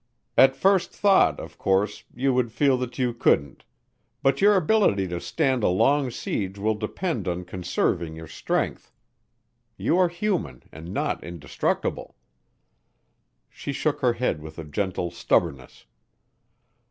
"At first thought, of course, you would feel that you couldn't. But your ability to stand a long siege will depend on conserving your strength. You are human and not indestructible." She shook her head with a gentle stubbornness.